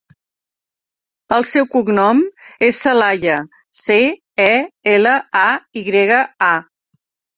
El seu cognom és Celaya: ce, e, ela, a, i grega, a.